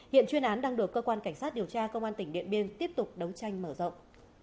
hiện chuyên án đang được cơ quan cảnh sát điều tra công an tỉnh điện biên tiếp tục đấu tranh mở rộng